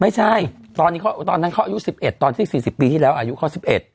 ไม่ใช่ตอนนั้นเขาอายุ๑๑ตอนที่๔๐ปีที่แล้วอายุเขา๑๑